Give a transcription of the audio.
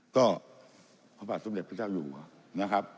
ก็พระบาทสมเด็จพระเจ้าอยู่นะครับ